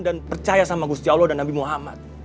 dan percaya sama gusti allah dan nabi muhammad